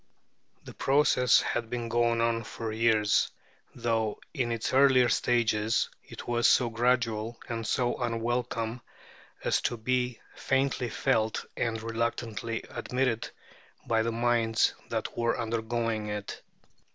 The process had been going on for years, though in its earlier stages it was so gradual and so unwelcome as to be faintly felt and reluctantly admitted by the minds that were undergoing it.